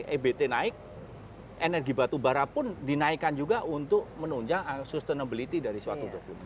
ebt naik energi batu bara pun dinaikkan juga untuk menunjang sustainability dari suatu dokumen